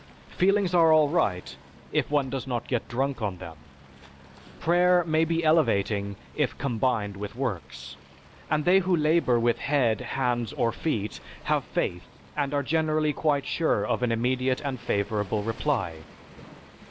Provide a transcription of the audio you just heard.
Feelings are all right, if one does not get drunk on them. Prayer may be elevating if combined with works, and they who labor with head, hands, or feet have faith and are generally quite sure of an immediate and favorable reply.